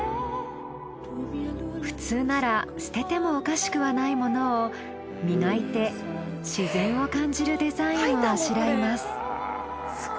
普通なら捨ててもおかしくはないものを磨いて自然を感じるデザインをあしらいます。